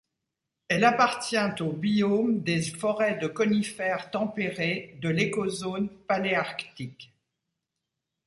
Elle appartient au biome des forêts de conifères tempérées de l'écozone paléarctique.